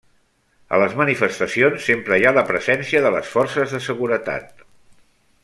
A les manifestacions sempre hi ha la presència de les forces de seguretat.